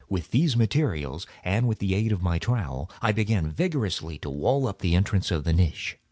With these materials and with the aid of my trowel, I began vigorously to wall up the entrance of the niche.